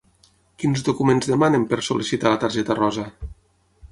Quins documents demanen per sol·licitar la targeta rosa?